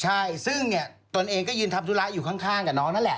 ใช่ซึ่งเนี่ยตนเองก็ยืนทำธุระอยู่ข้างกับน้องนั่นแหละ